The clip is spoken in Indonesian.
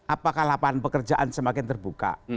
apakah lapangan pekerjaan semakin terbuka